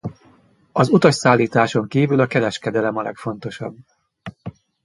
Az utasszállításon kívül a kereskedelem a legfontosabb.